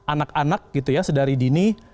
anak anak gitu ya sedari dini